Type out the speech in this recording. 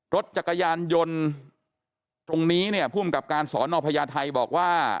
รถจักรยานยนต์ตรงนี้เนี่ยภูมิกับการสอนอพญาไทยบอกว่า